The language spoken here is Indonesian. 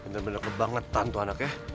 bener bener kebangetan tuh anaknya